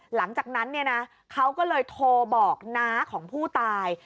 หลังจากนั้นเนี่ยนะเขาก็เลยโทรบอกน้าของผู้ตาย